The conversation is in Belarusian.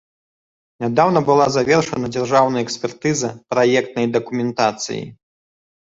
Нядаўна была завершана дзяржаўная экспертыза праектнай дакументацыі.